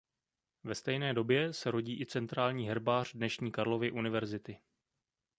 Ve stejné době se rodí i centrální herbář dnešní Karlovy Univerzity.